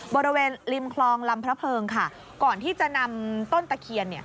บริเวณริมคลองลำพระเพิงค่ะก่อนที่จะนำต้นตะเคียน